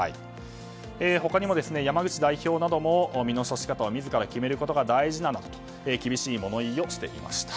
他にも山口代表なども身の処し方を自ら決めることが大事だと厳しい物言いをしていました。